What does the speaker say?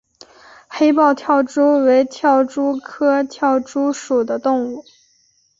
黑豹跳蛛为跳蛛科豹跳蛛属的动物。